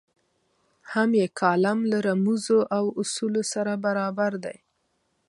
هم یې کالم له رموزو او اصولو سره برابر دی.